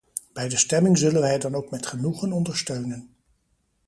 Bij de stemming zullen wij het dan ook met genoegen ondersteunen.